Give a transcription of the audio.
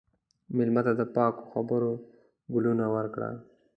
مېلمه ته د پاکو خبرو ګلونه ورکړه.